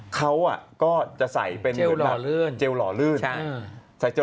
เขาก็จะใส่เป็นเจลหล่อลื่น